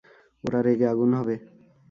ওরা রেগে আগুন হবে।